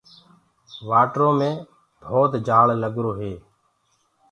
وآٽرو مي ڀَوت جآلگرو هي۔